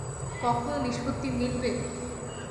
কখনো নিষ্পত্তি মিলবে?